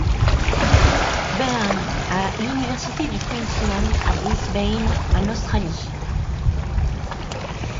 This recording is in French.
Beirne à l'Université du Queensland à Brisbane, en Australie.